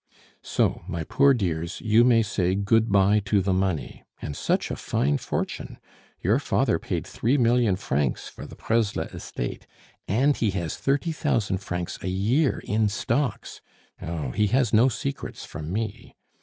"So, my poor dears, you may say good bye to the money. And such a fine fortune! Your father paid three million francs for the Presles estate, and he has thirty thousand francs a year in stocks! Oh! he has no secrets from me.